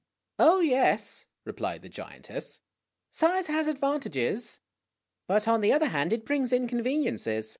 " Oh, yes," replied the giantess ;" size has advantages. But, on the other hand, it brings inconveniences.